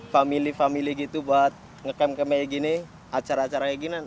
family family gitu buat ngekem kem kayak gini acara acaranya gini enak